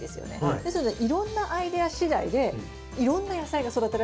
ですのでいろんなアイデアしだいでいろんな野菜が育てられると思うんです。